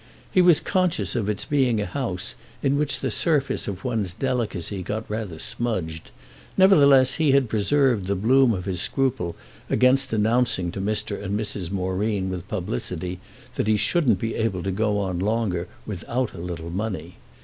He was conscious of its being a house in which the surface of one's delicacy got rather smudged; nevertheless he had preserved the bloom of his scruple against announcing to Mr. and Mrs. Moreen with publicity that he shouldn't be able to go on longer without a little money.